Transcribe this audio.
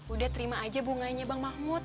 udah terima aja bunganya bang mahmud